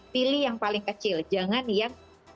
pilih yang paling kecil jangan yang